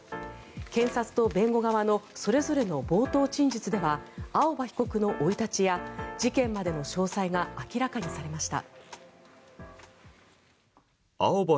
検察と弁護側のそれぞれの冒頭陳述では青葉被告の生い立ちや事件までの詳細が明らかにされました。